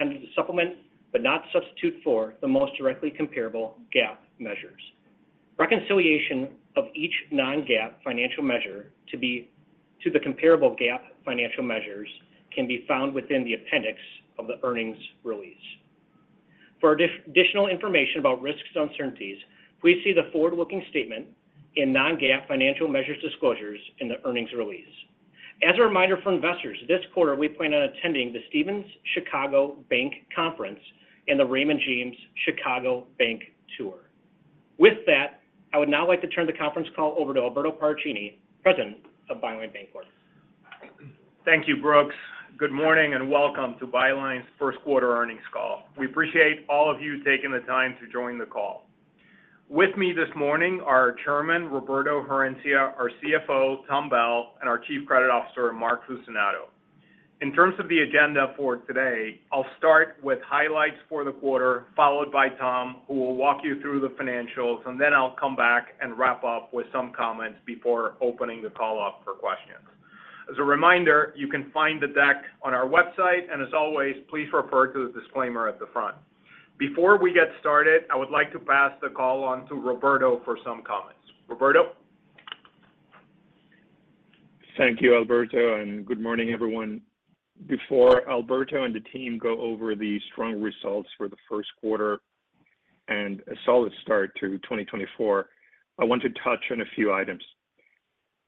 Under the supplement, but not substitute for the most directly comparable GAAP measures. Reconciliation of each non-GAAP financial measure to the comparable GAAP financial measures can be found within the appendix of the earnings release. For additional information about risks and uncertainties, please see the forward-looking statement in non-GAAP financial measures disclosures in the earnings release. As a reminder for investors, this quarter, we plan on attending the Stephens Chicago Bank Conference and the Raymond James Chicago Bank Tour. With that, I would now like to turn the conference call over to Alberto Paracchini, President of Byline Bancorp. Thank you, Brooks. Good morning, and welcome to Byline's first quarter earnings call. We appreciate all of you taking the time to join the call. With me this morning are Chairman Roberto Herencia, our CFO Tom Bell, and our Chief Credit Officer Mark Fucinato. In terms of the agenda for today, I'll start with highlights for the quarter, followed by Tom, who will walk you through the financials, and then I'll come back and wrap up with some comments before opening the call up for questions. As a reminder, you can find the deck on our website, and as always, please refer to the disclaimer at the front. Before we get started, I would like to pass the call on to Roberto for some comments. Roberto? Thank you, Alberto, and good morning, everyone. Before Alberto and the team go over the strong results for the first quarter and a solid start to 2024, I want to touch on a few items.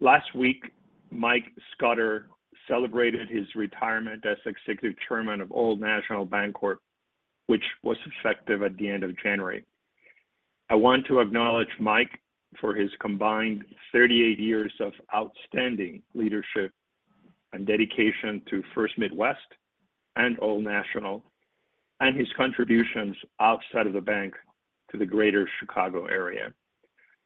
Last week, Mike Scudder celebrated his retirement as Executive Chairman of Old National Bancorp, which was effective at the end of January. I want to acknowledge Mike for his combined 38 years of outstanding leadership and dedication to First Midwest and Old National, and his contributions outside of the bank to the Greater Chicago area.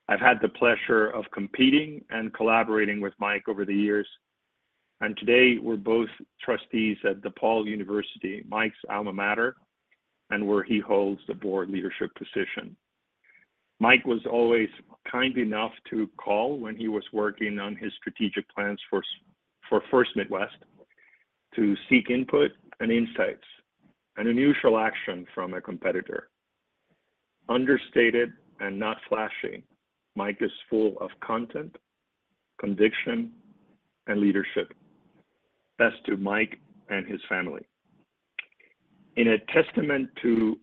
I've had the pleasure of competing and collaborating with Mike over the years, and today, we're both trustees at DePaul University, Mike's alma mater, and where he holds the board leadership position. Mike was always kind enough to call when he was working on his strategic plans for First Midwest to seek input and insights, an unusual action from a competitor. Understated and not flashy, Mike is full of content, conviction, and leadership. Best to Mike and his family. In a testament to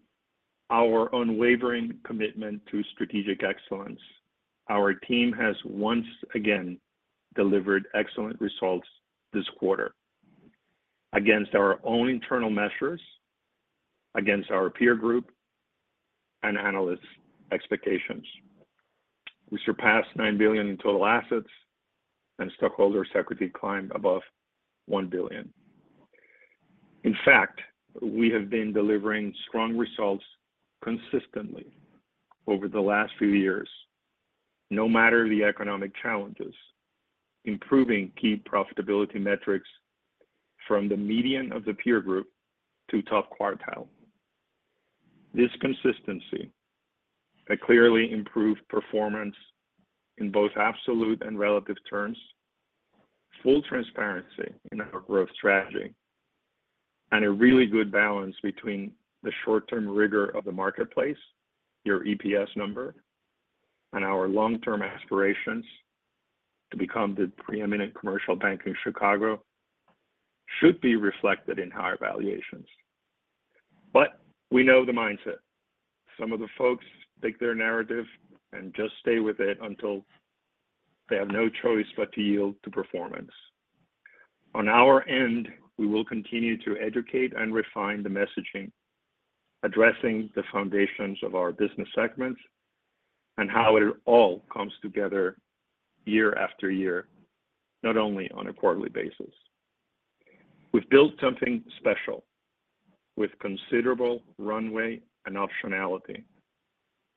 our unwavering commitment to strategic excellence, our team has once again delivered excellent results this quarter against our own internal measures, against our peer group and analysts' expectations. We surpassed $9 billion in total assets, and stockholder equity climbed above $1 billion. In fact, we have been delivering strong results consistently over the last few years, no matter the economic challenges, improving key profitability metrics from the median of the peer group to top quartile. This consistency, a clearly improved performance in both absolute and relative terms, full transparency in our growth strategy, and a really good balance between the short-term rigor of the marketplace, your EPS number, and our long-term aspirations to become the preeminent commercial bank in Chicago, should be reflected in higher valuations. But we know the mindset. Some of the folks pick their narrative and just stay with it until they have no choice but to yield to performance. On our end, we will continue to educate and refine the messaging, addressing the foundations of our business segments and how it all comes together year after year, not only on a quarterly basis. We've built something special with considerable runway and optionality.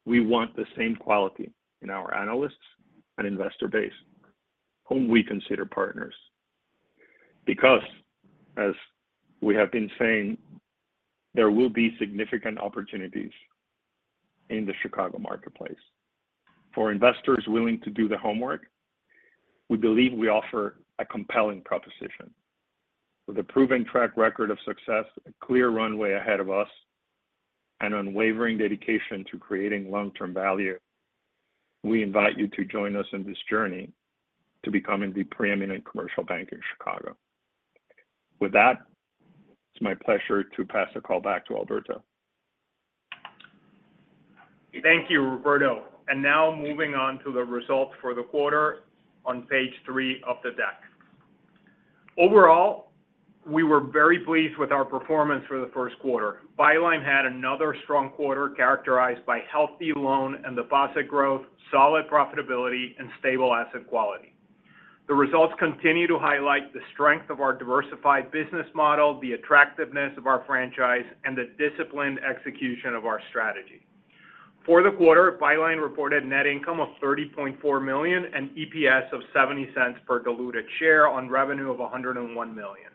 We want the same quality in our analysts and investor base, whom we consider partners. Because, as we have been saying, there will be significant opportunities in the Chicago marketplace. For investors willing to do the homework, we believe we offer a compelling proposition. With a proven track record of success, a clear runway ahead of us, and unwavering dedication to creating long-term value, we invite you to join us in this journey to becoming the preeminent commercial bank in Chicago. With that, it's my pleasure to pass the call back to Alberto. Thank you, Roberto. Now moving on to the results for the quarter on page three of the deck. Overall, we were very pleased with our performance for the first quarter. Byline had another strong quarter characterized by healthy loan and deposit growth, solid profitability, and stable asset quality. The results continue to highlight the strength of our diversified business model, the attractiveness of our franchise, and the disciplined execution of our strategy. For the quarter, Byline reported net income of $30.4 million and EPS of $0.70 per diluted share on revenue of $101 million.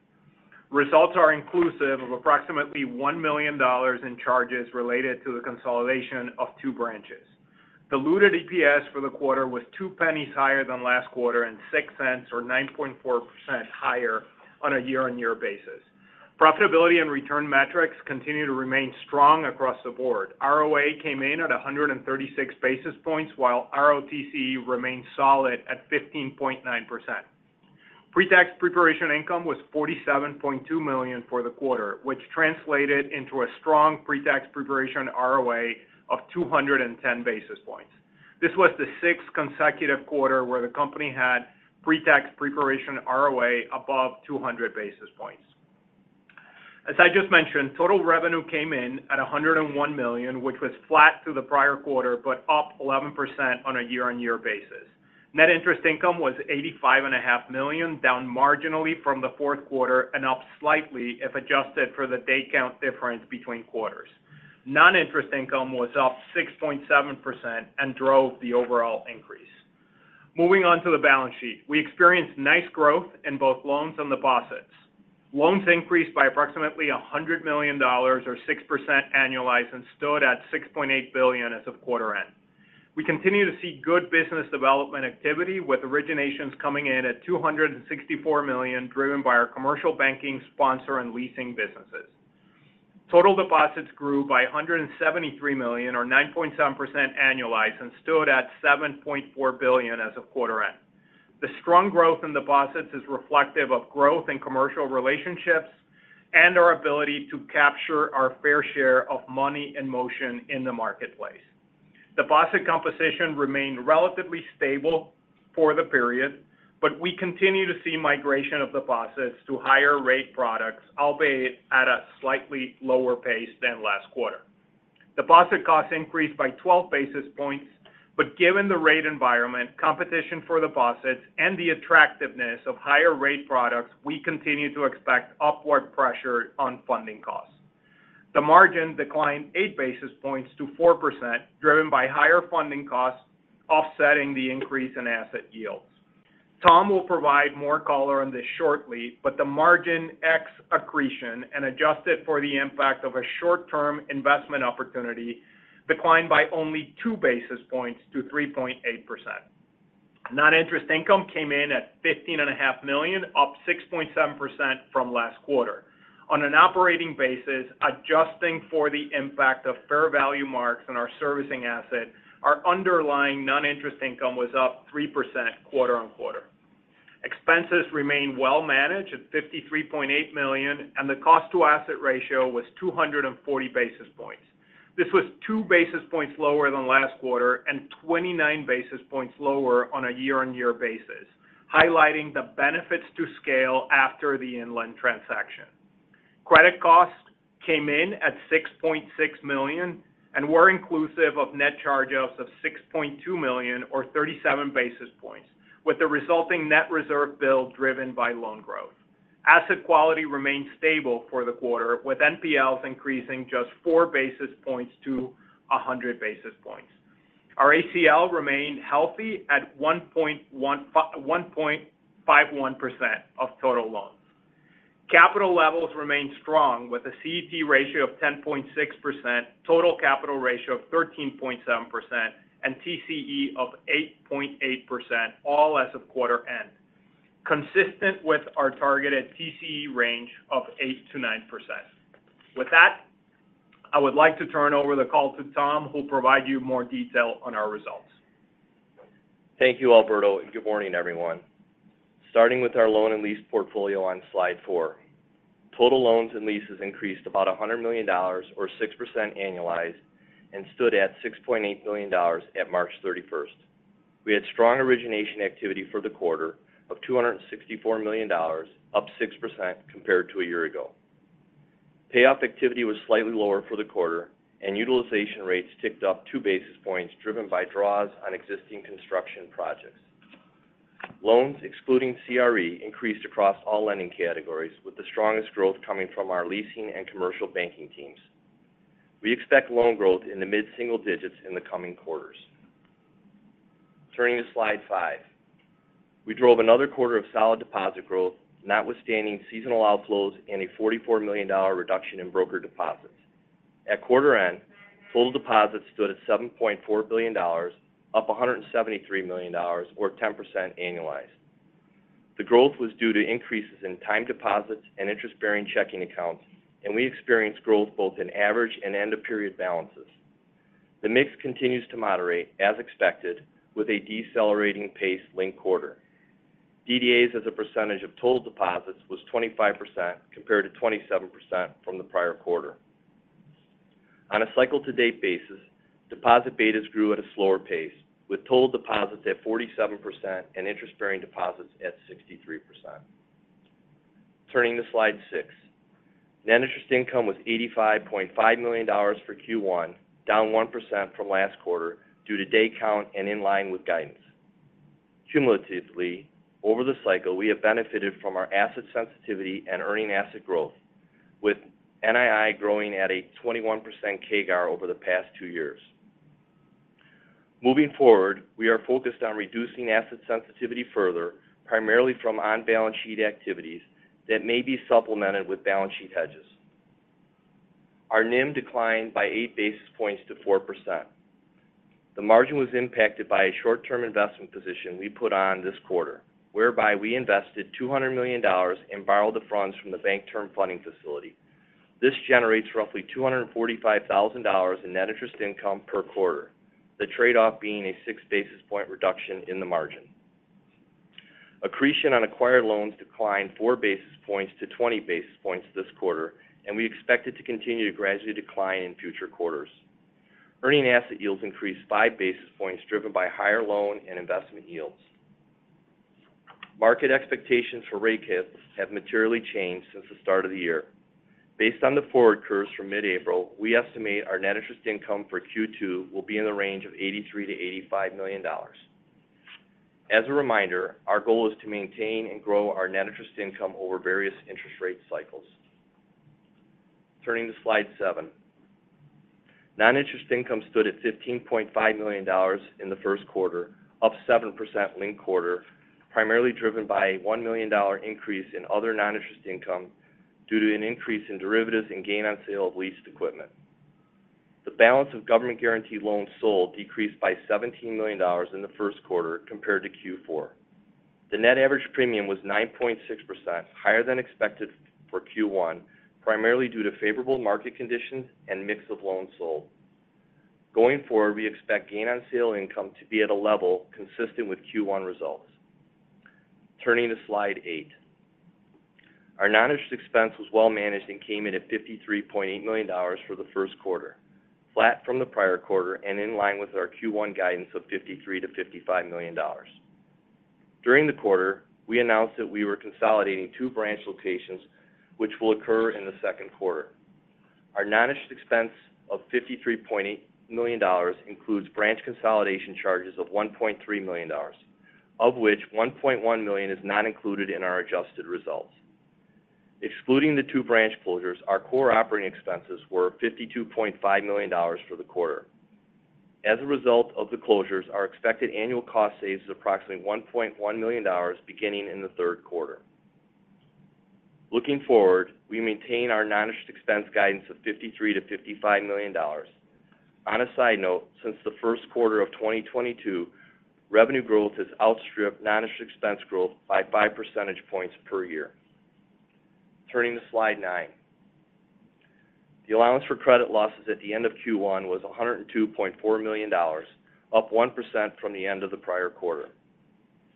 Results are inclusive of approximately $1 million in charges related to the consolidation of two branches. Diluted EPS for the quarter was two pennies higher than last quarter, and $0.06 or 9.4% higher on a year-on-year basis. Profitability and return metrics continue to remain strong across the board. ROA came in at 136 basis points, while ROTCE remained solid at 15.9%. Pre-provision income was $47.2 million for the quarter, which translated into a strong pre-provision ROA of 210 basis points. This was the sixth consecutive quarter where the company had pre-provision ROA above 200 basis points. As I just mentioned, total revenue came in at $101 million, which was flat to the prior quarter, but up 11% on a year-on-year basis. Net interest income was $85.5 million, down marginally from the fourth quarter and up slightly if adjusted for the day count difference between quarters. Non-interest income was up 6.7% and drove the overall increase. Moving on to the balance sheet. We experienced nice growth in both loans and deposits. Loans increased by approximately $100 million or 6% annualized and stood at $6.8 billion as of quarter end. We continue to see good business development activity, with originations coming in at $264 million, driven by our commercial banking sponsor and leasing businesses. Total deposits grew by $173 million or 9.7% annualized and stood at $7.4 billion as of quarter end. The strong growth in deposits is reflective of growth in commercial relationships and our ability to capture our fair share of money in motion in the marketplace. Deposit composition remained relatively stable for the period, but we continue to see migration of deposits to higher rate products, albeit at a slightly lower pace than last quarter. Deposit costs increased by 12 basis points, but given the rate environment, competition for deposits, and the attractiveness of higher rate products, we continue to expect upward pressure on funding costs. The margin declined 8 basis points to 4%, driven by higher funding costs, offsetting the increase in asset yields. Tom will provide more color on this shortly, but the margin ex accretion and adjusted for the impact of a short-term investment opportunity declined by only 2 basis points to 3.8%. Non-interest income came in at $15.5 million, up 6.7% from last quarter. On an operating basis, adjusting for the impact of fair value marks on our servicing asset, our underlying non-interest income was up 3% quarter-over-quarter. Expenses remained well managed at $53.8 million, and the cost to asset ratio was 240 basis points. This was 2 basis points lower than last quarter and 29 basis points lower on a year-on-year basis, highlighting the benefits to scale after the Inland transaction. Credit costs came in at $6.6 million and were inclusive of net charge-offs of $6.2 million or 37 basis points, with the resulting net reserve build driven by loan growth. Asset quality remained stable for the quarter, with NPLs increasing just 4 basis points to 100 basis points. Our ACL remained healthy at 1.51% of total loans. Capital levels remained strong, with a CET ratio of 10.6%, total capital ratio of 13.7%, and TCE of 8.8%, all as of quarter end, consistent with our targeted TCE range of 8%-9%. With that, I would like to turn over the call to Tom, who will provide you more detail on our results. Thank you, Alberto, and good morning, everyone. Starting with our loan and lease portfolio on slide four. Total loans and leases increased about $100 million or 6% annualized and stood at $6.8 billion at March 31st. We had strong origination activity for the quarter of $264 million, up 6% compared to a year ago. Payoff activity was slightly lower for the quarter, and utilization rates ticked up 2 basis points, driven by draws on existing construction projects. Loans, excluding CRE, increased across all lending categories, with the strongest growth coming from our leasing and commercial banking teams. We expect loan growth in the mid-single digits in the coming quarters. Turning to slide five. We drove another quarter of solid deposit growth, notwithstanding seasonal outflows and a $44 million reduction in broker deposits. At quarter end, full deposits stood at $7.4 billion, up $173 million or 10% annualized. The growth was due to increases in time deposits and interest-bearing checking accounts, and we experienced growth both in average and end-of-period balances. The mix continues to moderate, as expected, with a decelerating pace linked quarter. DDAs as a percentage of total deposits was 25%, compared to 27% from the prior quarter. On a cycle-to-date basis, deposit betas grew at a slower pace, with total deposits at 47% and interest-bearing deposits at 63%. Turning to slide six. Net interest income was $85.5 million for Q1, down 1% from last quarter due to day count and in line with guidance. Cumulatively, over the cycle, we have benefited from our asset sensitivity and earning asset growth, with NII growing at a 21% CAGR over the past two years. Moving forward, we are focused on reducing asset sensitivity further, primarily from on-balance sheet activities that may be supplemented with balance sheet hedges... Our NIM declined by 8 basis points to 4%. The margin was impacted by a short-term investment position we put on this quarter, whereby we invested $200 million and borrowed the funds from the Bank Term Funding facility. This generates roughly $245,000 in net interest income per quarter. The trade-off being a 6 basis point reduction in the margin. Accretion on acquired loans declined 4 basis points to 20 basis points this quarter, and we expect it to continue to gradually decline in future quarters. Earning asset yields increased 5 basis points, driven by higher loan and investment yields. Market expectations for rate hits have materially changed since the start of the year. Based on the forward curves from mid-April, we estimate our net interest income for Q2 will be in the range of $83 million-$85 million. As a reminder, our goal is to maintain and grow our net interest income over various interest rate cycles. Turning to slide seven. Non-interest income stood at $15.5 million in the first quarter, up 7% linked quarter, primarily driven by a $1 million increase in other non-interest income due to an increase in derivatives and gain on sale of leased equipment. The balance of government-guaranteed loans sold decreased by $17 million in the first quarter compared to Q4. The net average premium was 9.6%, higher than expected for Q1, primarily due to favorable market conditions and mix of loans sold. Going forward, we expect gain on sale income to be at a level consistent with Q1 results. Turning to slide eight. Our non-interest expense was well managed and came in at $53.8 million for the first quarter, flat from the prior quarter and in line with our Q1 guidance of $53 million-$55 million. During the quarter, we announced that we were consolidating two branch locations, which will occur in the second quarter. Our non-interest expense of $53.8 million includes branch consolidation charges of $1.3 million, of which $1.1 million is not included in our adjusted results. Excluding the two branch closures, our core operating expenses were $52.5 million for the quarter. As a result of the closures, our expected annual cost save is approximately $1.1 million, beginning in the third quarter. Looking forward, we maintain our non-interest expense guidance of $53 million-$55 million. On a side note, since the first quarter of 2022, revenue growth has outstripped non-interest expense growth by five percentage points per year. Turning to slide nine. The allowance for credit losses at the end of Q1 was $102.4 million, up 1% from the end of the prior quarter.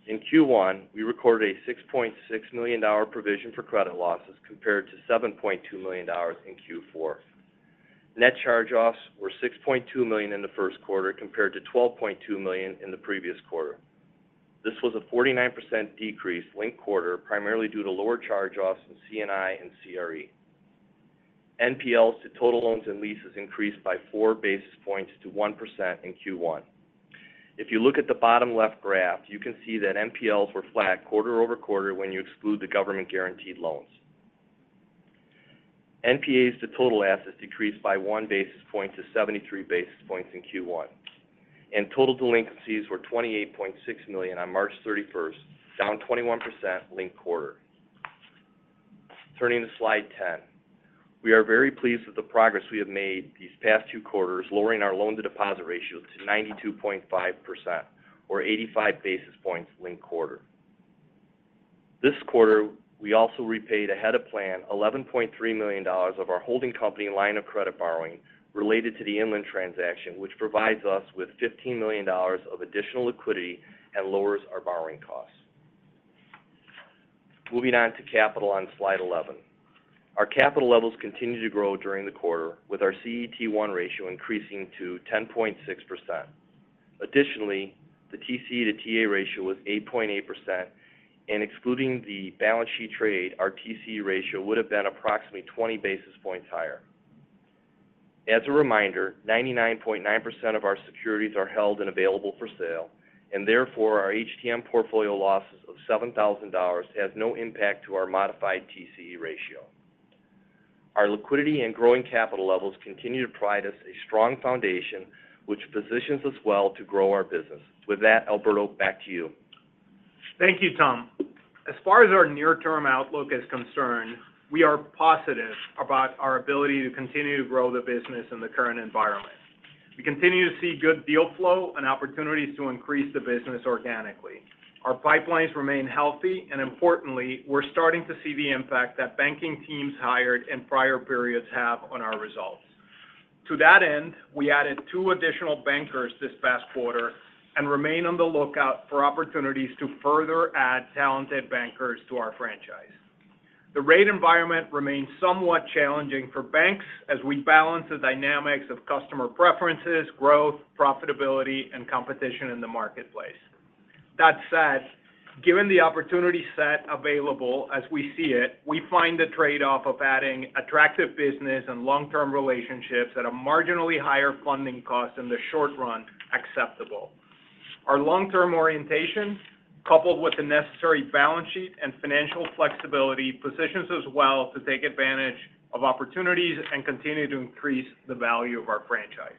In Q1, we recorded a $6.6 million dollar provision for credit losses, compared to $7.2 million in Q4. Net charge-offs were $6.2 million in the first quarter, compared to $12.2 million in the previous quarter. This was a 49% decrease linked quarter, primarily due to lower charge-offs in C&I and CRE. NPLs to total loans and leases increased by 4 basis points to 1% in Q1. If you look at the bottom left graph, you can see that NPLs were flat quarter-over-quarter when you exclude the government-guaranteed loans. NPAs to total assets decreased by 1 basis point to 73 basis points in Q1, and total delinquencies were $28.6 million on March 31st, down 21% linked quarter. Turning to slide 10. We are very pleased with the progress we have made these past two quarters, lowering our loan-to-deposit ratio to 92.5% or 85 basis points linked quarter. This quarter, we also repaid ahead of plan $11.3 million of our holding company line of credit borrowing related to the Inland transaction, which provides us with $15 million of additional liquidity and lowers our borrowing costs. Moving on to capital on slide 11. Our capital levels continued to grow during the quarter, with our CET1 ratio increasing to 10.6%. Additionally, the TCE to TA ratio was 8.8%, and excluding the balance sheet trade, our TCE ratio would have been approximately 20 basis points higher. As a reminder, 99.9% of our securities are held and available for sale, and therefore, our HTM portfolio losses of $7,000 has no impact to our modified TCE ratio. Our liquidity and growing capital levels continue to provide us a strong foundation, which positions us well to grow our business. With that, Alberto, back to you. Thank you, Tom. As far as our near-term outlook is concerned, we are positive about our ability to continue to grow the business in the current environment. We continue to see good deal flow and opportunities to increase the business organically. Our pipelines remain healthy, and importantly, we're starting to see the impact that banking teams hired in prior periods have on our results. To that end, we added two additional bankers this past quarter and remain on the lookout for opportunities to further add talented bankers to our franchise. The rate environment remains somewhat challenging for banks as we balance the dynamics of customer preferences, growth, profitability, and competition in the marketplace. That said, given the opportunity set available as we see it, we find the trade-off of adding attractive business and long-term relationships at a marginally higher funding cost in the short run acceptable. Our long-term orientation, coupled with the necessary balance sheet and financial flexibility, positions us well to take advantage of opportunities and continue to increase the value of our franchise.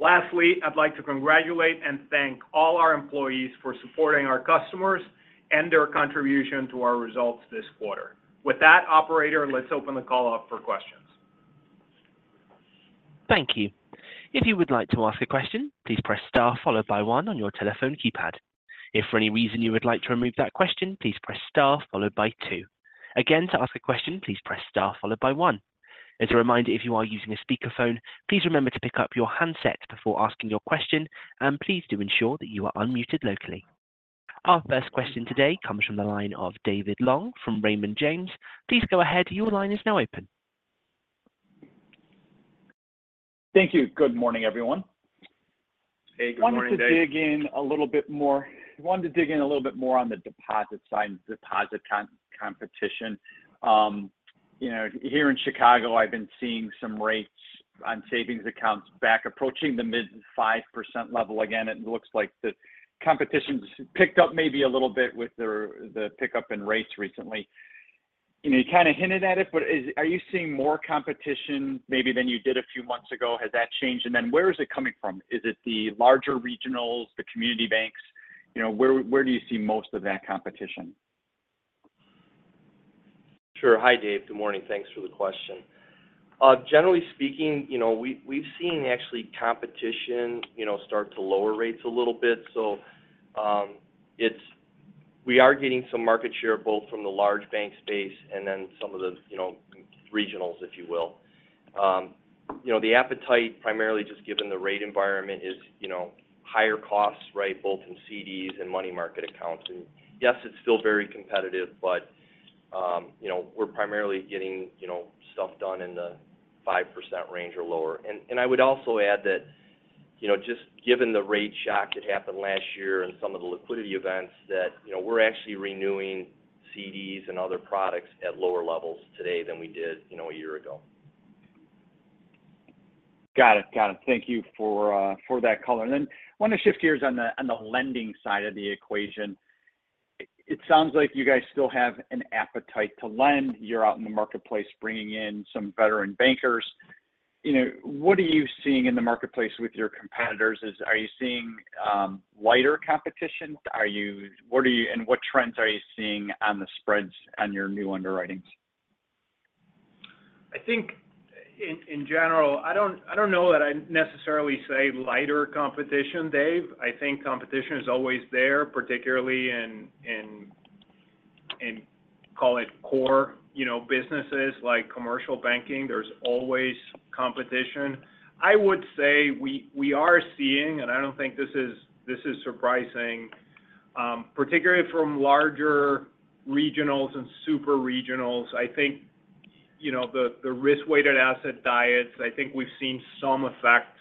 Lastly, I'd like to congratulate and thank all our employees for supporting our customers and their contribution to our results this quarter. With that, operator, let's open the call up for questions. Thank you. If you would like to ask a question, please press star followed by one on your telephone keypad. If for any reason you would like to remove that question, please press star followed by two. Again, to ask a question, please press star followed by one. As a reminder, if you are using a speakerphone, please remember to pick up your handset before asking your question, and please do ensure that you are unmuted locally. Our first question today comes from the line of David Long from Raymond James. Please go ahead. Your line is now open. Thank you. Good morning, everyone. Hey, good morning, Dave. Wanted to dig in a little bit more on the deposit side and deposit competition. You know, here in Chicago, I've been seeing some rates on savings accounts back approaching the mid-5% level again, and it looks like the competition's picked up maybe a little bit with the, the pickup in rates recently. You know, you kind of hinted at it, but is-- are you seeing more competition maybe than you did a few months ago? Has that changed? And then where is it coming from? Is it the larger regionals, the community banks? You know, where, where do you see most of that competition? Sure. Hi, Dave. Good morning. Thanks for the question. Generally speaking, you know, we, we've seen actually competition, you know, start to lower rates a little bit. So, it's we are getting some market share, both from the large bank space and then some of the, you know, regionals, if you will. You know, the appetite, primarily just given the rate environment, is, you know, higher costs, right, both in CDs and money market accounts. And yes, it's still very competitive, but, you know, we're primarily getting, you know, stuff done in the 5% range or lower. And, and I would also add that, you know, just given the rate shock that happened last year and some of the liquidity events, that, you know, we're actually renewing CDs and other products at lower levels today than we did, you know, a year ago. Got it. Got it. Thank you for that color. And then I want to shift gears on the lending side of the equation. It sounds like you guys still have an appetite to lend. You're out in the marketplace bringing in some veteran bankers. You know, what are you seeing in the marketplace with your competitors? Are you seeing lighter competition? And what trends are you seeing on the spreads on your new underwritings? I think in general, I don't know that I'd necessarily say lighter competition, Dave. I think competition is always there, particularly in call it core, you know, businesses like commercial banking, there's always competition. I would say we are seeing, and I don't think this is this is surprising, particularly from larger regionals and super regionals, I think, you know, the risk-weighted asset diets, I think we've seen some effect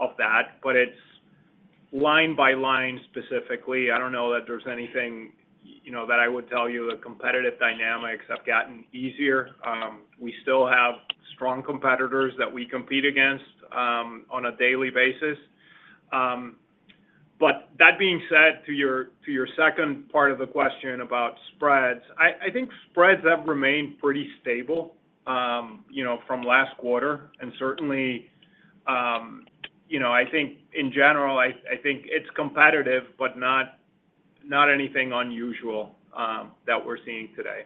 of that, but it's line by line specifically. I don't know that there's anything, you know, that I would tell you the competitive dynamics have gotten easier. We still have strong competitors that we compete against on a daily basis. But that being said, to your second part of the question about spreads, I think spreads have remained pretty stable, you know, from last quarter. Certainly, you know, I think in general, I think it's competitive, but not anything unusual that we're seeing today.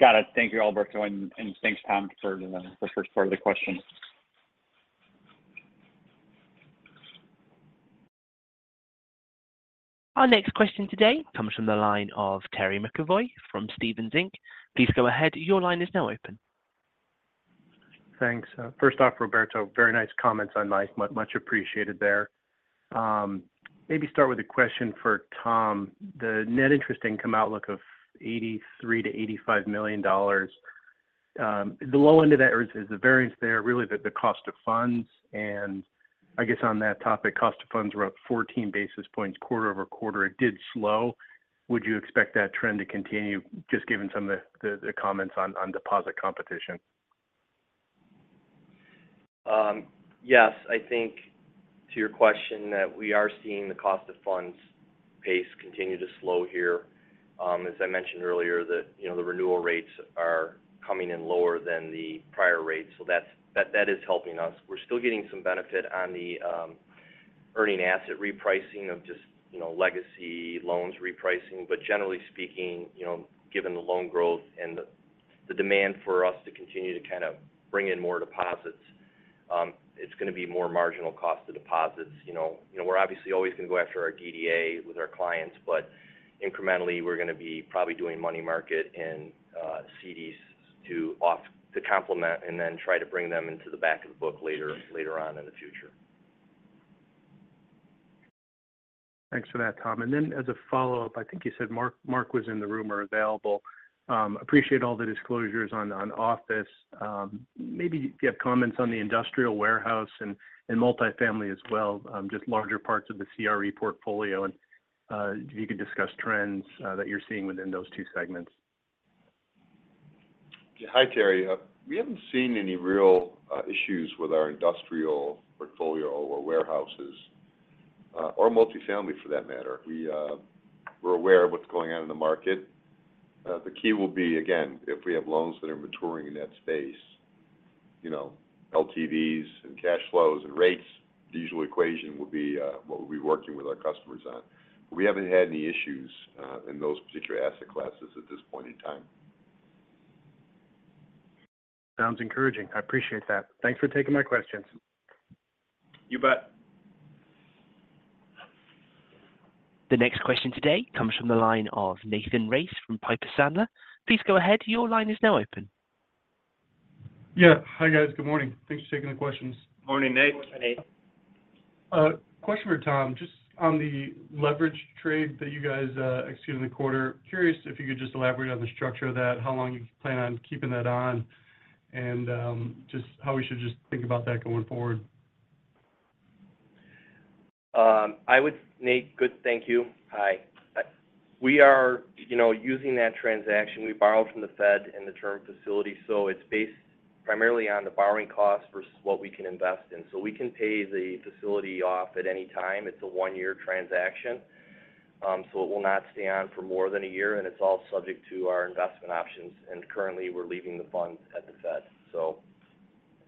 Got it. Thank you, Alberto, and thanks, Tom, for the first part of the question. Our next question today comes from the line of Terry McEvoy from Stephens Inc. Please go ahead. Your line is now open. Thanks. First off, Roberto, very nice comments on life. Much, much appreciated there. Maybe start with a question for Tom. The net interest income outlook of $83 million-$85 million, the low end of that is the variance there, really the cost of funds? And I guess on that topic, cost of funds were up 14 basis points quarter-over-quarter. It did slow. Would you expect that trend to continue, just given some of the comments on deposit competition? Yes, I think to your question, that we are seeing the cost of funds pace continue to slow here. As I mentioned earlier, that, you know, the renewal rates are coming in lower than the prior rates, so that's that is helping us. We're still getting some benefit on the earning asset repricing of just, you know, legacy loans repricing. But generally speaking, you know, given the loan growth and the demand for us to continue to kind of bring in more deposits, it's going to be more marginal cost of deposits, you know. You know, we're obviously always going to go after our DDA with our clients, but incrementally, we're going to be probably doing money market and CDs to off to complement and then try to bring them into the back of the book later on in the future. Thanks for that, Tom. And then as a follow-up, I think you said Mark, Mark was in the room or available. Appreciate all the disclosures on office. Maybe if you have comments on the industrial warehouse and multifamily as well, just larger parts of the CRE portfolio, and if you could discuss trends that you're seeing within those two segments. Hi, Terry. We haven't seen any real issues with our industrial portfolio or warehouses or multifamily for that matter. We, we're aware of what's going on in the market. The key will be, again, if we have loans that are maturing in that space, you know, LTVs and cash flows and rates, the usual equation will be, what we'll be working with our customers on. We haven't had any issues, in those particular asset classes at this point in time. Sounds encouraging. I appreciate that. Thanks for taking my questions. You bet. The next question today comes from the line of Nathan Race from Piper Sandler. Please go ahead. Your line is now open. Yeah. Hi, guys. Good morning. Thanks for taking the questions. Morning, Nate. Morning, Nate. Question for Tom. Just on the leverage trade that you guys executed in the quarter, curious if you could just elaborate on the structure of that, how long you plan on keeping that on, and just how we should just think about that going forward? Nate, good. Thank you. Hi. We are, you know, using that transaction. We borrowed from the Fed in the term facility, so it's based primarily on the borrowing cost versus what we can invest in. So we can pay the facility off at any time. It's a one-year transaction, so it will not stay on for more than a year, and it's all subject to our investment options. Currently, we're leaving the funds at the Fed. So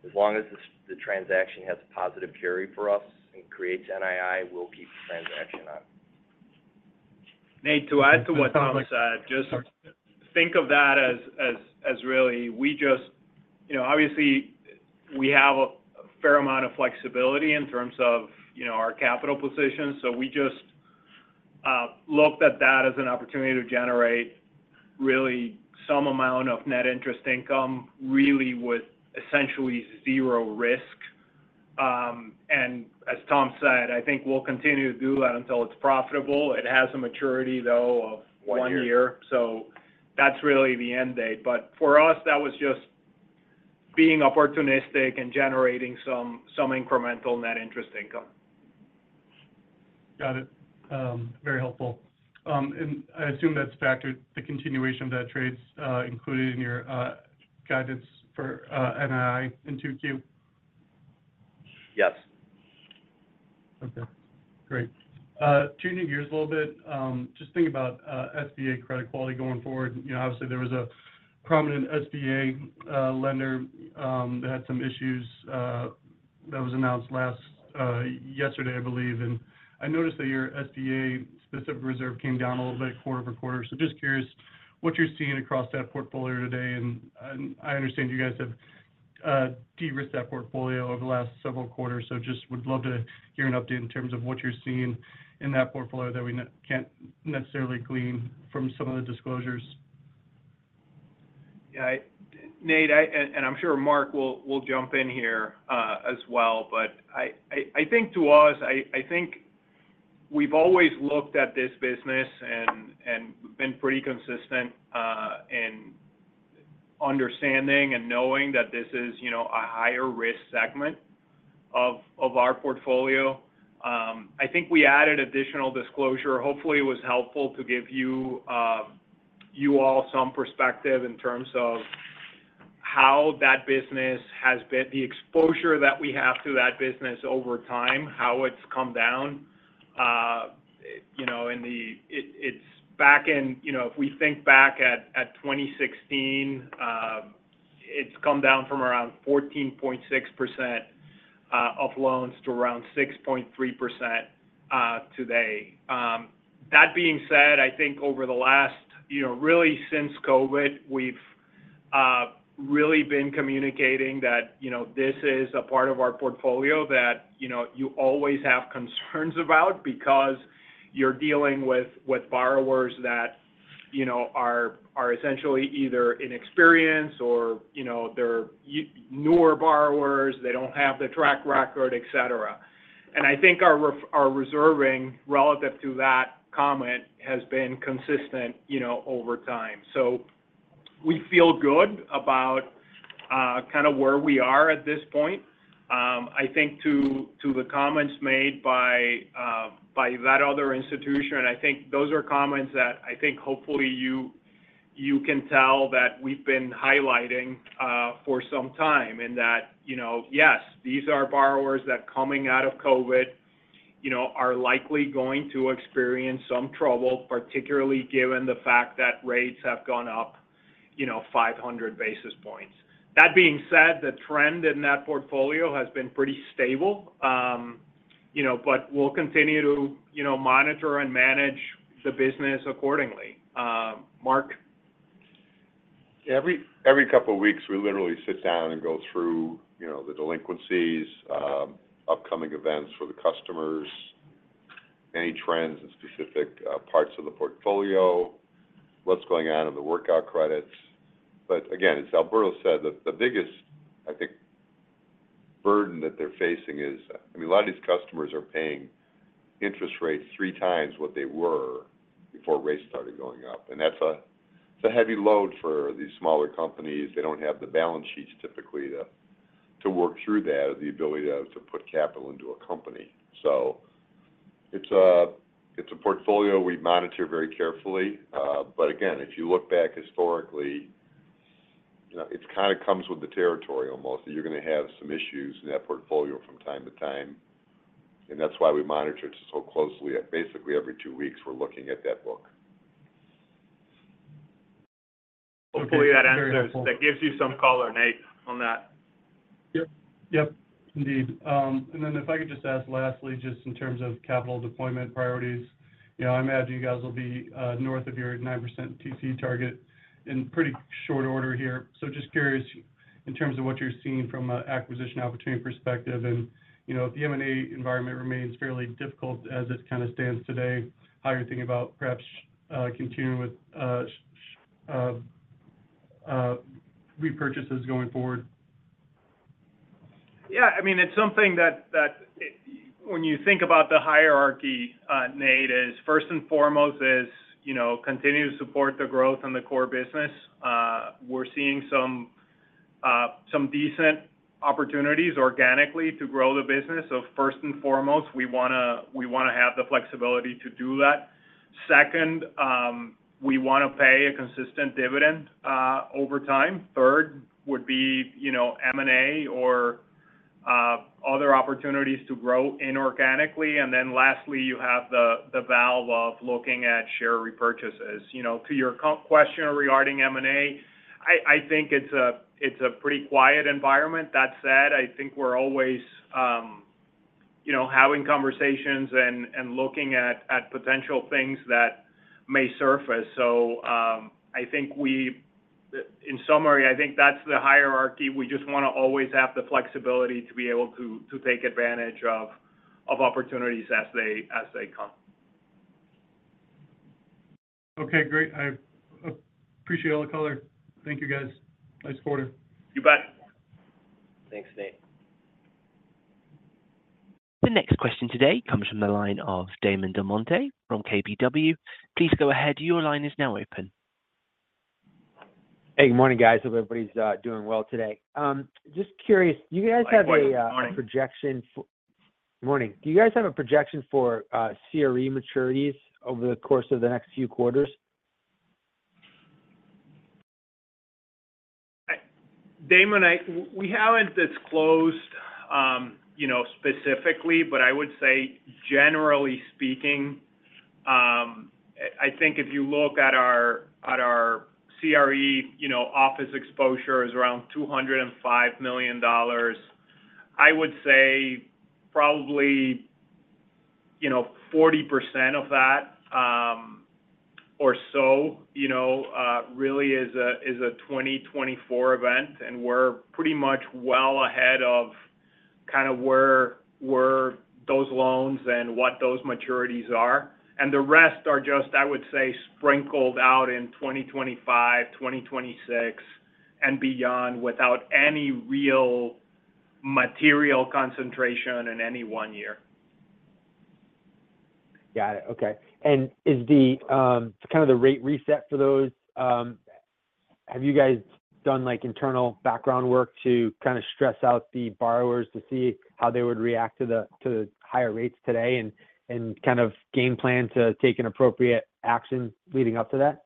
as long as the transaction has a positive carry for us and creates NII, we'll keep the transaction on. Nate, to add to what Tom said, just think of that as really we just you know, obviously, we have a fair amount of flexibility in terms of, you know, our capital position, so we just looked at that as an opportunity to generate really some amount of net interest income, really with essentially zero risk. And as Tom said, I think we'll continue to do that until it's profitable. It has a maturity, though, of one year. So that's really the end date. But for us, that was just being opportunistic and generating some incremental net interest income. Got it. Very helpful. And I assume that's factored the continuation of that trade's included in your guidance for NII in 2Q? Yes. Okay, great. Changing gears a little bit, just thinking about SBA credit quality going forward. You know, obviously, there was a prominent SBA lender that had some issues that was announced last yesterday, I believe. I noticed that your SBA-specific reserve came down a little bit quarter-over-quarter. So just curious what you're seeing across that portfolio today, and I understand you guys have de-risked that portfolio over the last several quarters. So just would love to hear an update in terms of what you're seeing in that portfolio that we can't necessarily glean from some of the disclosures. Yeah, Nate, I, and I'm sure Mark will jump in here as well, but I think to us, I think we've always looked at this business and been pretty consistent in understanding and knowing that this is, you know, a higher risk segment of our portfolio. I think we added additional disclosure. Hopefully, it was helpful to give you all some perspective in terms of how that business has been, the exposure that we have to that business over time, how it's come down. You know, and it's back in, you know, if we think back at 2016, it's come down from around 14.6% of loans to around 6.3% today. That being said, I think over the last, you know, really since COVID, we've really been communicating that, you know, this is a part of our portfolio that, you know, you always have concerns about because you're dealing with borrowers that, you know, are essentially either inexperienced or, you know, they're newer borrowers, they don't have the track record, et cetera. And I think our reserving relative to that comment has been consistent, you know, over time. So we feel good about kind of where we are at this point. I think to, to the comments made by, by that other institution, and I think those are comments that I think hopefully you, you can tell that we've been highlighting, for some time, and that, you know, yes, these are borrowers that coming out of COVID, you know, are likely going to experience some trouble, particularly given the fact that rates have gone up, you know, 500 basis points. That being said, the trend in that portfolio has been pretty stable. You know, but we'll continue to, you know, monitor and manage the business accordingly. Mark? Every, every couple of weeks, we literally sit down and go through, you know, the delinquencies, upcoming events for the customers, any trends in specific, parts of the portfolio, what's going on in the workout credits. But again, as Alberto said, the biggest, I think, burden that they're facing is, I mean, a lot of these customers are paying interest rates three times what they were before rates started going up, and that's a, it's a heavy load for these smaller companies. They don't have the balance sheets typically to work through that or the ability to put capital into a company. So it's a portfolio we monitor very carefully. But again, if you look back historically, you know, it kind of comes with the territory almost, that you're gonna have some issues in that portfolio from time to time. That's why we monitor it so closely. At basically, every two weeks, we're looking at that book. Hopefully, that answers- Very helpful. That gives you some color, Nate, on that. Yep. Yep, indeed. And then if I could just ask lastly, just in terms of capital deployment priorities, you know, I imagine you guys will be north of your 9% TCE target in pretty short order here. So just curious, in terms of what you're seeing from a acquisition opportunity perspective and, you know, if the M&A environment remains fairly difficult as it kind of stands today, how you're thinking about perhaps continuing with repurchases going forward? Yeah, I mean, it's something that when you think about the hierarchy, Nate, is first and foremost, you know, continue to support the growth in the core business. We're seeing some decent opportunities organically to grow the business. So first and foremost, we wanna have the flexibility to do that. Second, we wanna pay a consistent dividend over time. Third, would be, you know, M&A or other opportunities to grow inorganically. And then lastly, you have the value of looking at share repurchases. You know, to your question regarding M&A, I think it's a pretty quiet environment. That said, I think we're always, you know, having conversations and looking at potential things that may surface. So, in summary, I think that's the hierarchy. We just wanna always have the flexibility to be able to take advantage of opportunities as they come. Okay, great. I appreciate all the color. Thank you, guys. Nice quarter. You bet. Thanks, Nate. The next question today comes from the line of Damon DelMonte from KBW. Please go ahead, your line is now open. Hey, good morning, guys. Hope everybody's doing well today. Just curious, do you guys have a? Good morning. Good morning. Do you guys have a projection for CRE maturities over the course of the next few quarters? Damon, we haven't disclosed, you know, specifically, but I would say generally speaking, I think if you look at our CRE, you know, office exposure is around $205 million. I would say probably, you know, 40% of that, or so, you know, really is a 2024 event, and we're pretty much well ahead of kind of where were those loans and what those maturities are. And the rest are just, I would say, sprinkled out in 2025, 2026, and beyond, without any real material concentration in any one year. Got it. Okay. And is the kind of rate reset for those, have you guys done, like, internal background work to kind of stress out the borrowers to see how they would react to the, to the higher rates today and, and kind of game plan to take an appropriate action leading up to that?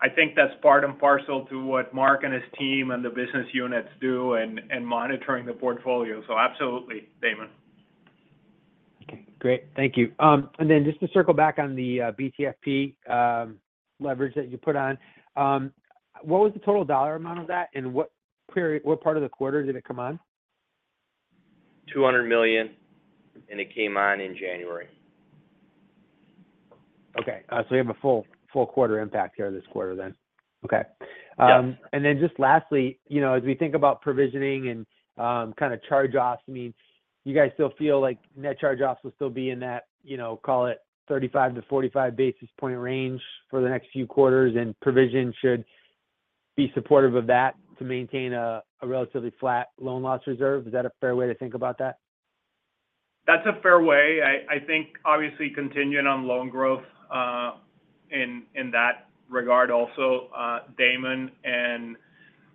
I think that's part and parcel to what Mark and his team and the business units do in monitoring the portfolio. So absolutely, Damon. Okay, great. Thank you. And then just to circle back on the BTFP leverage that you put on, what was the total dollar amount of that, and what part of the quarter did it come on? $200 million, and it came on in January. Okay. So you have a full, full quarter impact here this quarter then. Okay. Yes. And then just lastly, you know, as we think about provisioning and, kind of charge-offs, I mean, you guys still feel like net charge-offs will still be in that, you know, call it 35-45 basis point range for the next few quarters, and provision should be supportive of that to maintain a relatively flat loan loss reserve. Is that a fair way to think about that? That's a fair way. I think obviously continuing on loan growth, in that regard also, Damon, and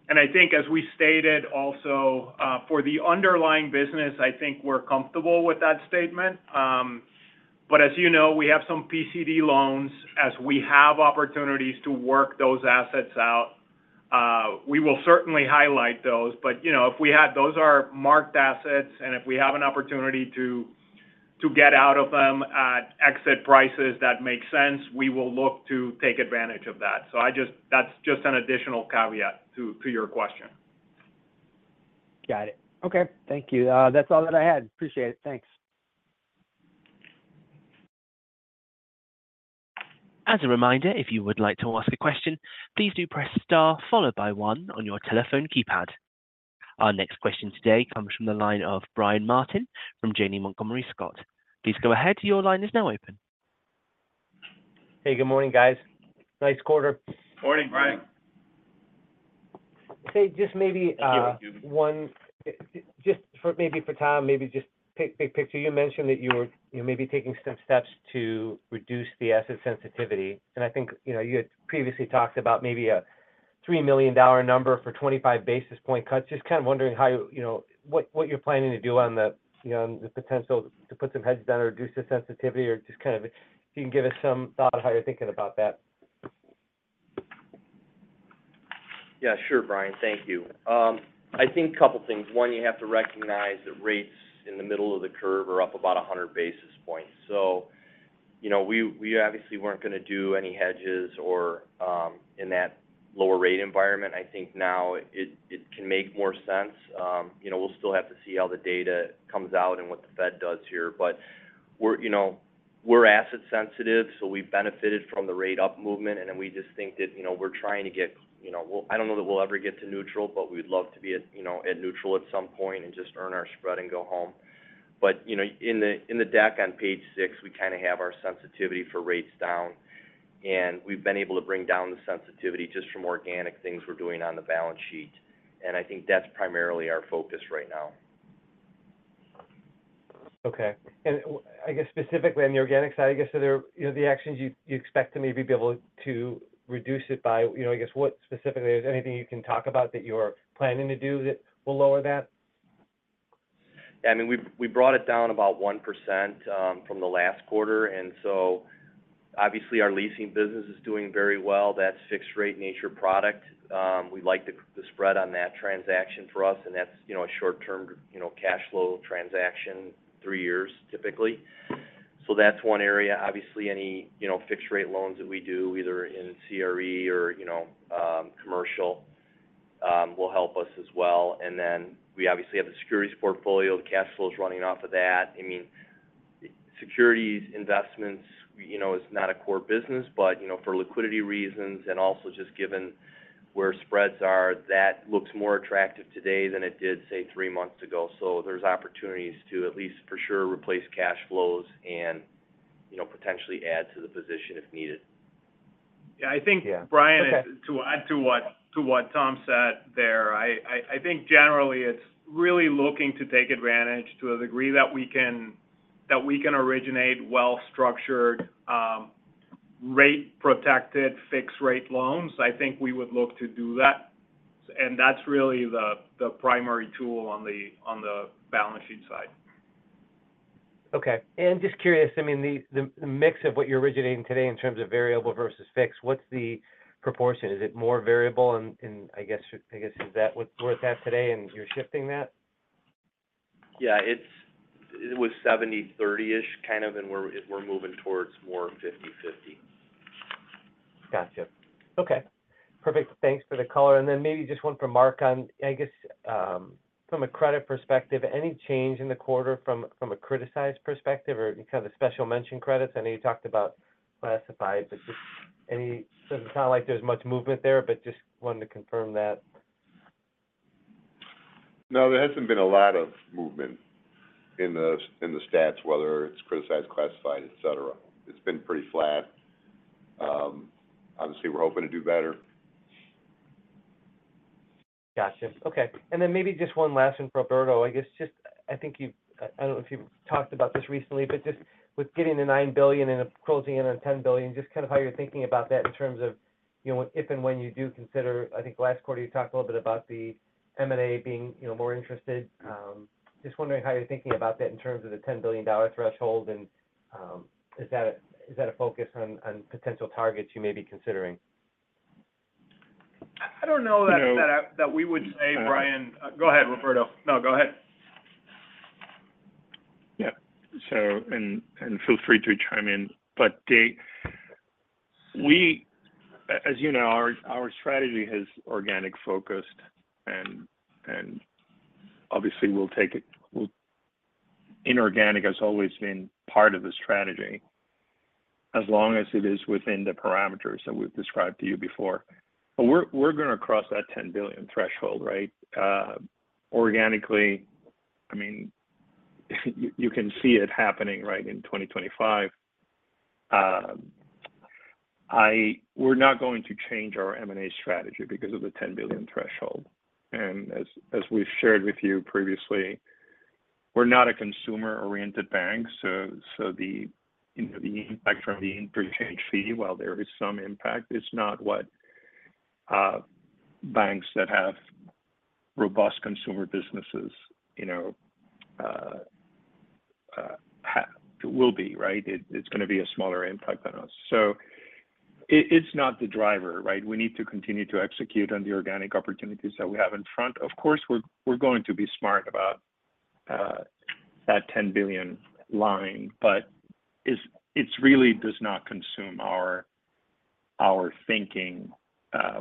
I think as we stated also, for the underlying business, I think we're comfortable with that statement. But as you know, we have some PCD loans. As we have opportunities to work those assets out, we will certainly highlight those. But, you know, if we had those are marked assets, and if we have an opportunity to get out of them at exit prices that make sense, we will look to take advantage of that. So I just that's just an additional caveat to your question. Got it. Okay. Thank you. That's all that I had. Appreciate it. Thanks. As a reminder, if you would like to ask a question, please do press star, followed by one on your telephone keypad. Our next question today comes from the line of Brian Martin from Janney Montgomery Scott. Please go ahead. Your line is now open. Hey, good morning, guys. Nice quarter. Morning, Brian. Hey, just maybe, one, just for maybe for Tom, maybe just big picture, you mentioned that you were, you may be taking some steps to reduce the asset sensitivity. And I think, you know, you had previously talked about maybe a $3 million number for 25 basis point cuts. Just kind of wondering how, you know, what, what you're planning to do on the, the potential to put some hedges down or reduce the sensitivity or just kind of if you can give us some thought on how you're thinking about that? Yeah, sure, Brian. Thank you. I think couple things. One, you have to recognize that rates in the middle of the curve are up about 100 basis points. So, you know, we obviously weren't gonna do any hedges or in that lower rate environment. I think now it can make more sense. You know, we'll still have to see how the data comes out and what the Fed does here. But we're, you know, we're asset sensitive, so we've benefited from the rate up movement, and then we just think that, you know, we're trying to get, you know, well, I don't know that we'll ever get to neutral, but we'd love to be at, you know, at neutral at some point and just earn our spread and go home. But, you know, in the deck on page six, we kind of have our sensitivity for rates down, and we've been able to bring down the sensitivity just from organic things we're doing on the balance sheet. And I think that's primarily our focus right now. Okay. And I guess, specifically on the organic side, I guess, are there, you know, the actions you expect to maybe be able to reduce it by... You know, I guess, what specifically, is there anything you can talk about that you're planning to do that will lower that? I mean, we brought it down about 1%, from the last quarter, and so obviously, our leasing business is doing very well. That's fixed-rate nature product. We like the spread on that transaction for us, and that's, you know, a short-term, you know, cash flow transaction, three years, typically. So that's one area. Obviously, any, you know, fixed-rate loans that we do, either in CRE or, you know, commercial, will help us as well. And then we obviously have the securities portfolio, the cash flows running off of that. I mean, securities investments, you know, is not a core business, but, you know, for liquidity reasons and also just given where spreads are, that looks more attractive today than it did, say, three months ago. There's opportunities to at least for sure replace cash flows and, you know, potentially add to the position if needed. Yeah, I think- Yeah. Okay. Brian, to add to what Tom said there, I think generally it's really looking to take advantage to a degree that we can, that we can originate well-structured, rate-protected fixed-rate loans. I think we would look to do that, and that's really the primary tool on the balance sheet side. Okay. And just curious, I mean, the mix of what you're originating today in terms of variable versus fixed, what's the proportion? Is it more variable and I guess, is that what we're at today, and you're shifting that? Yeah, it was 70/30-ish, kind of, and we're moving towards more 50/50. Gotcha. Okay. Perfect. Thanks for the color. And then maybe just one for Mark on, I guess, from a credit perspective, any change in the quarter from a criticized perspective or kind of a special mention credits? I know you talked about classified, but just any, it's not like there's much movement there, but just wanted to confirm that. No, there hasn't been a lot of movement in the stats, whether it's criticized, classified, et cetera. It's been pretty flat. Obviously, we're hoping to do better. Gotcha. Okay, and then maybe just one last one for Roberto. I guess just—I think you've, I don't know if you've talked about this recently, but just with getting to $9 billion and closing in on $10 billion, just kind of how you're thinking about that in terms of, you know, if and when you do consider... I think last quarter, you talked a little bit about the M&A being, you know, more interested. Just wondering how you're thinking about that in terms of the $10 billion threshold, and, is that a, is that a focus on, on potential targets you may be considering? I don't know that- You know- that we would say, Brian... Go ahead, Roberto. No, go ahead. Yeah. So, and feel free to chime in, but we, as you know, our strategy is organic focused, and obviously, we'll take it. Well, inorganic has always been part of the strategy, as long as it is within the parameters that we've described to you before. But we're gonna cross that $10 billion threshold, right? Organically, I mean, you can see it happening, right, in 2025. We're not going to change our M&A strategy because of the $10 billion threshold. And as we've shared with you previously, we're not a consumer-oriented bank, so the, you know, the impact from the interchange fee, while there is some impact, it's not what banks that have robust consumer businesses, you know, will be, right? It's gonna be a smaller impact on us. So it, it's not the driver, right? We need to continue to execute on the organic opportunities that we have in front. Of course, we're, we're going to be smart about that $10 billion line, but it's, it really does not consume our, our thinking.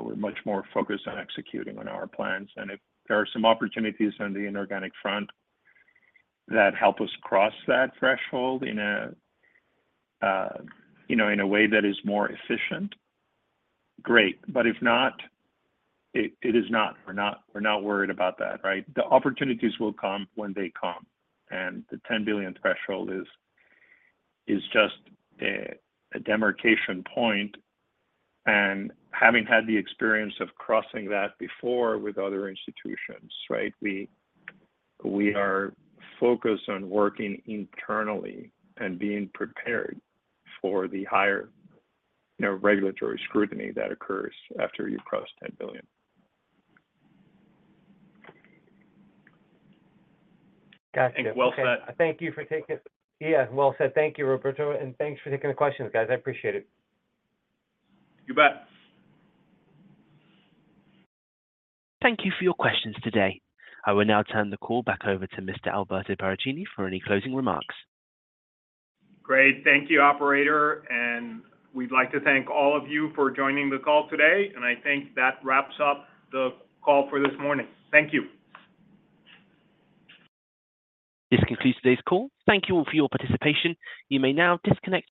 We're much more focused on executing on our plans, and if there are some opportunities on the inorganic front that help us cross that threshold in a, you know, in a way that is more efficient, great. But if not, it, it is not. We're not, we're not worried about that, right? The opportunities will come when they come, and the $10 billion threshold is, is just a, a demarcation point. And having had the experience of crossing that before with other institutions, right? We are focused on working internally and being prepared for the higher, you know, regulatory scrutiny that occurs after you've crossed $10 billion. Gotcha. Well said. Thank you for taking it. Yeah, well said. Thank you, Roberto, and thanks for taking the questions, guys. I appreciate it. You bet. Thank you for your questions today. I will now turn the call back over to Mr. Alberto Paracchini for any closing remarks. Great. Thank you, operator, and we'd like to thank all of you for joining the call today, and I think that wraps up the call for this morning. Thank you. This concludes today's call. Thank you all for your participation. You may now disconnect.